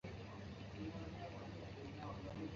彬乌伦为该镇之首府。